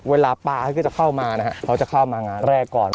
เวลาปลาเขาก็จะเข้ามานะฮะเขาจะเข้ามางานแรกก่อน